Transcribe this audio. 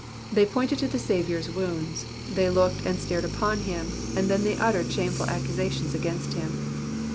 They pointed to the Saviour's wounds, they looked and stared upon him, and then they uttered shameful accusations against him.